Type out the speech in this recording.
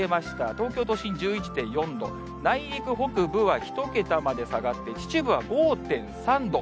東京都心１１．４度、内陸、北部は１桁まで下がって、秩父は５．３度。